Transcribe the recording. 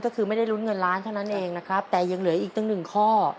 ก็คือไม่ได้ลุ้นเงินล้านเท่านั้นเองนะครับแต่ยังเหลืออีกตั้งหนึ่งข้อ